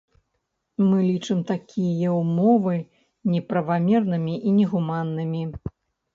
Мы лічым такія ўмовы неправамернымі і негуманнымі.